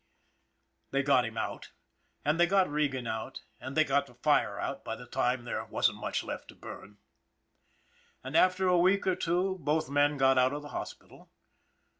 They got him out, and they got Regan out, and they got the fire out by the time there wasn't much left to burn; and, after a week or two, both men got out of the hospital.